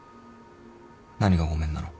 何がごめんなの？